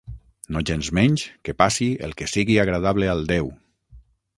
Nogensmenys, que passi el que sigui agradable al déu;